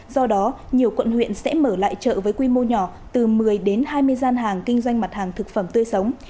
do đó nhiều quận huyện sẽ mở lại chợ với quy mô nhỏ từ một mươi đến hai mươi gian hàng kinh doanh mặt hàng thực phẩm tươi sống